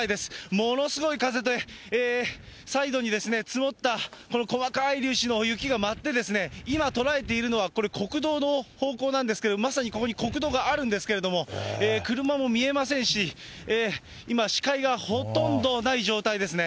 ものすごい風で、サイドに積もったこの細かい粒子の雪が舞って、今捉えているのはこれ、国道の方向なんですけれども、まさにここに国道があるんですけれども、車も見えませんし、今、視界がほとんどない状態ですね。